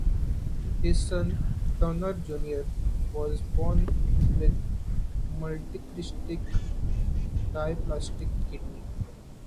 His son, Dioner Junior was born with multicystic dysplastic kidney.